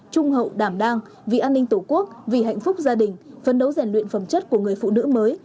trung hậu đảm đang vì an ninh tổ quốc vì hạnh phúc gia đình phấn đấu rèn luyện phẩm chất của người phụ nữ mới